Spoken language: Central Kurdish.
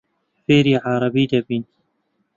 فێری عەرەبی دەبین.